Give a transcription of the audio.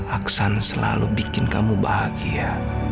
aksan selalu bikin kamu bahagia